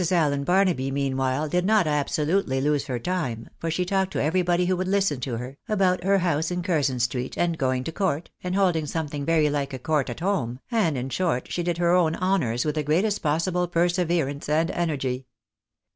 Allen Barnaby, meanwhile, did not absolutely lose her time, for she talked to everybody who would listen to her, about her house in Curzon street, and going to court, and holding some thing very like a court at home, and, in short, she did her own honours with the greatest possible perseverance and energy.